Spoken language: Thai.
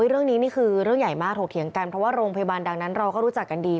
เรื่องนี้นี่คือเรื่องใหญ่มากถกเถียงกันเพราะว่าโรงพยาบาลดังนั้นเราก็รู้จักกันดี